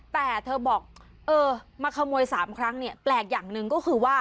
แต่เธอบอกเออมาขโมย๓ครั้งเนี่ยแปลกอย่างหนึ่งก็คือว่า